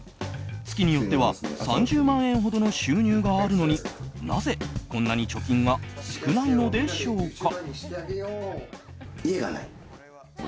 月によっては３０万円ほどの収入があるのになぜ、こんなに貯金は少ないのでしょうか。